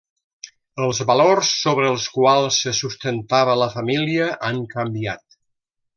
Els valors sobre els quals se sustentava la família han canviat.